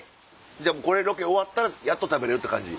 じゃあもうこれロケ終わったらやっと食べれるって感じ。